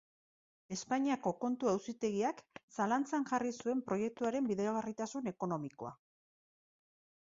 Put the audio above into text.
Espainiako Kontu Auzitegiak zalantzan jarri zuen proiektuaren bideragarritasun ekonomikoa,